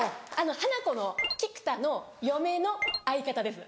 ハナコの菊田の嫁の相方です。